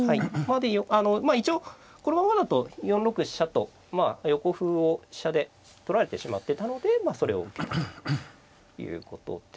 あのまあ一応このままだと４六飛車と横歩を飛車で取られてしまってたのでまあそれを受けるということで。